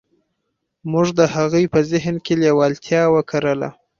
موږ د هغه په ذهن کې لېوالتیا وکرله.